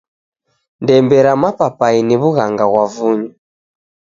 Ndembe ra mapaipai ni w'ughanga ghwa vunyu.